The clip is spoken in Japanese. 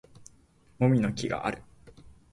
もみの木がある